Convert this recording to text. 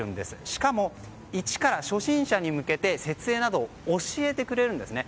しかも一から初心者に向けて設営などを教えてくれるんですね。